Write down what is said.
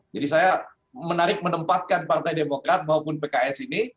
saya menarik menempatkan partai demokrat maupun pks ini